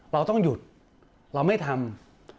เราต้องหยุดเราไม่ทำ